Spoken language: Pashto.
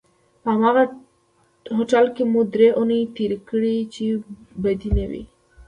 په هماغه هوټل کې مو درې اونۍ تېرې کړې چې بدې نه وې.